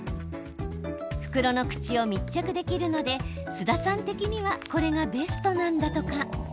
袋の口を密着できるので須田さん的にはこれがベストなんだとか。